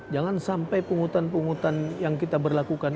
jangan sampai penghutan penghutan yang kita berlakukan